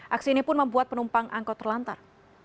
aksi ini pun membuat penumpang angkot terlantar